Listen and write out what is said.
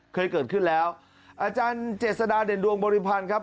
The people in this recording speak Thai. เคยเกิดขึ้นแล้วอาจารย์เจษฎาเด่นดวงบริพันธ์ครับ